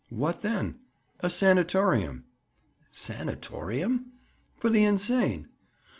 "What then?" "A sanatorium." "Sanatorium?" "For the insane."